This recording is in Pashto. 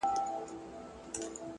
• اوس مي د سپين قلم زهره چاودلې،